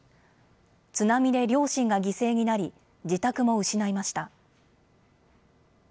津波で両親が犠牲になり、自宅も失いました。